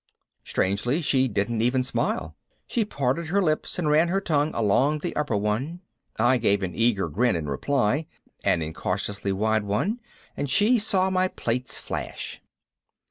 Strangely she didn't even smile. She parted her lips and ran her tongue along the upper one. I gave an eager grin in reply, an incautiously wide one, and she saw my plates flash.